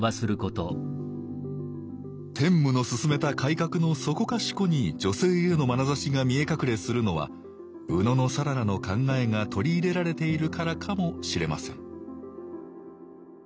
天武の進めた改革のそこかしこに女性へのまなざしが見え隠れするのは野讃良の考えが取り入れられているからかもしれません